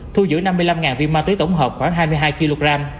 thu giữ năm mươi năm viên ma túy tổng hợp khoảng hai mươi hai kg